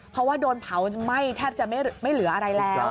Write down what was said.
เพราะว่าโดนเผาไหม้แทบจะไม่เหลืออะไรแล้ว